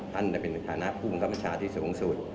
ท่านจะเป็นฐานะภูมิความประชาที่สูงสุด